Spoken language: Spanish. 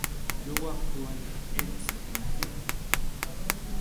Luego actuó en "Ets aquí?